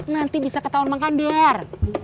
nanti bisa ketahuan mang kandar